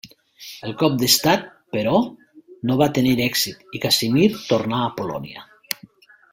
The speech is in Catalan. El cop d'estat, però, no va tenir èxit i Casimir tornà a Polònia.